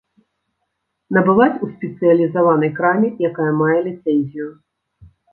Набываць у спецыялізаванай краме, якая мае ліцэнзію.